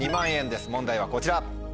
問題はこちら。